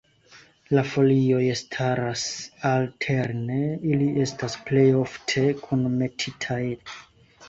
La folioj staras alterne, ili estas plej ofte kunmetitaj.